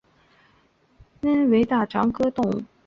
近缘大尾蚤为盘肠蚤科大尾蚤属的动物。